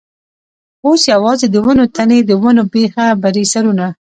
اوس یوازې د ونو تنې، د ونو بېخه برې سرونه.